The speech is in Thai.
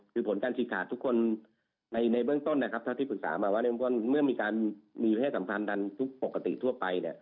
คือผลการฉีกขาดทุกคนในเบื้องต้นนะครับเท่าที่ปรึกษามาว่าเมื่อมีการมีเพศสัมพันธ์ดันทุกปกติทั่วไปเนี่ย